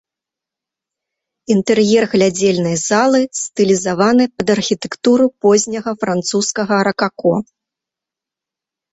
Інтэр'ер глядзельнай залы стылізаваны пад архітэктуру позняга французскага ракако.